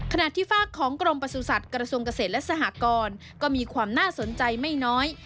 ที่ฝากของกรมประสุทธิ์กระทรวงเกษตรและสหกรก็มีความน่าสนใจไม่น้อย